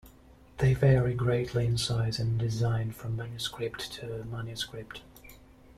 They vary greatly in size and design from manuscript to manuscript.